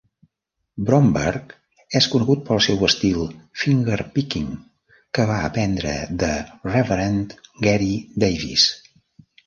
Bromberg és conegut pel seu estil "fingerpicking" que va aprendre de Reverend Gary Davis.